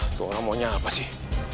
itu orang maunya apa sih